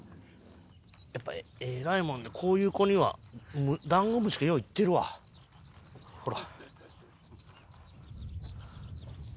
やっぱえらいもんでこういう子にはダンゴムシがよういってるわほら。